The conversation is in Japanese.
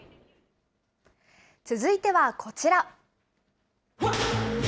続いてはこちら。